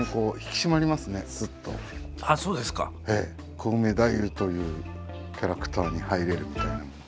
コウメ太夫というキャラクターに入れるみたいな。